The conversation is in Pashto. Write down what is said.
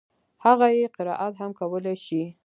هغه يې قرائت هم کولای شي.